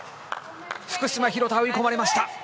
福島、廣田追い込まれました。